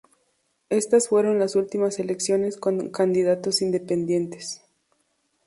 Estas fueron las últimas elecciones con candidatos independientes.